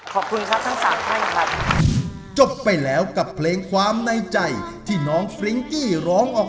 ขอบคุณครับทั้งสามท่านครับ